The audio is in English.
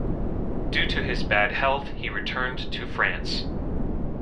Due to his bad health he returned to France.